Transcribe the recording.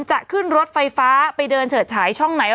จะขึ้นรถไฟฟ้าไปเดินเฉิดฉายช่องไหน